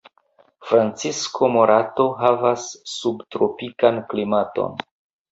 Francisco Morato havas subtropikan klimaton.